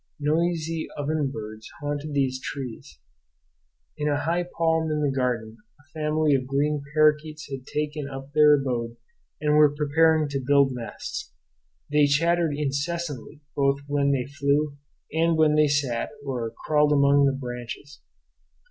Noisy oven birds haunted these trees. In a high palm in the garden a family of green parakeets had taken up their abode and were preparing to build nests. They chattered incessantly both when they flew and when they sat or crawled among the branches.